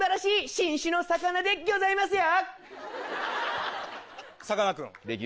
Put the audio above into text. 新種の魚でギョざいますよ！